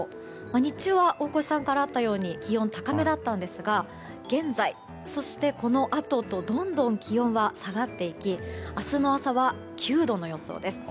日中は大越さんからあったように気温高めでしたが現在、そしてこのあととどんどん気温は下がっていき明日の朝は９度の予想です。